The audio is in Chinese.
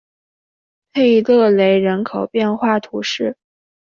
佩勒雷人口变化图示